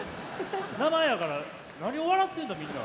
名前やから何を笑ってんだみんな。